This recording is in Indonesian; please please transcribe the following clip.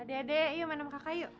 adik adik ayo menem kakak yuk